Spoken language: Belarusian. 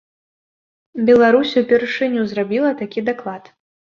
Беларусь упершыню зрабіла такі даклад.